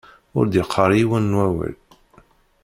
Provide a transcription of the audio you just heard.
Ur d-qqar yiwen n wawal.